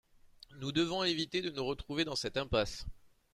Nous devons éviter de nous retrouver dans cette impasse.